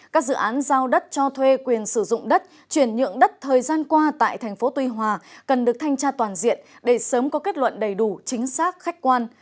các dự án giao đất cho thuê quyền sử dụng đất chuyển nhượng đất thời gian qua tại tp tuy hòa cần được thanh tra toàn diện để sớm có kết luận đầy đủ chính xác khách quan